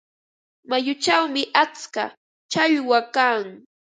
Mayuchawmi atska challwa kan.